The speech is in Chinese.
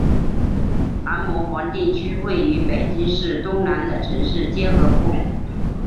南磨房地区位于北京市东南的城乡结合部。